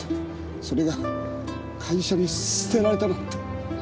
それが会社に捨てられたなんて。